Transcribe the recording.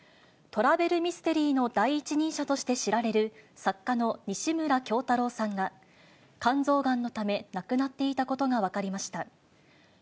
トラベルミステリーの第一人者として知られる、作家の西村京太郎さんが、肝臓がんのため亡くなっていたことが分かりました。